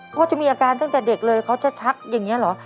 พ่อจะมีอาการตั้งแต่เด็กเลยเขาจะชักอย่างนี้เหรอ